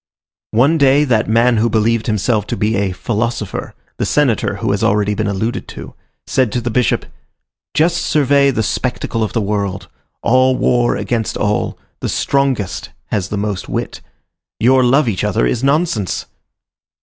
One day, that man who believed himself to be a "philosopher," the senator who has already been alluded to, said to the Bishop: "Just survey the spectacle of the world: all war against all; the strongest has the most wit. Your love each other is nonsense."